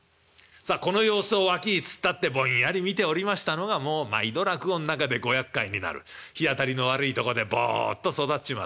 さあこの様子を脇に突っ立ってぼんやり見ておりましたのがもう毎度落語の中でごやっかいになる日当たりの悪いとこでぼっと育っちまった。